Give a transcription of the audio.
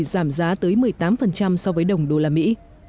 giảm giá tới một mươi tám so với đồng đô la mỹ